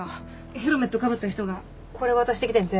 ヘルメットかぶった人がこれ渡してきてんて。